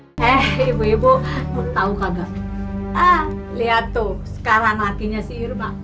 hai hai hai hai hai hai hai hai eh ibu ibu tahu kagak ah lihat tuh sekarang lakinya si irma